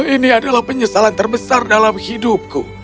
ini adalah penyesalan terbesar dalam hidupku